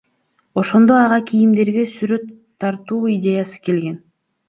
Ошондо ага кийимдерге сүрөт тартуу идеясы келген.